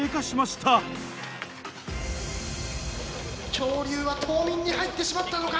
恐竜は冬眠に入ってしまったのか。